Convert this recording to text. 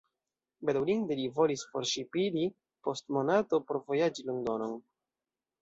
Bedaŭrinde li volis forŝipiri post monato por vojaĝi Londonon.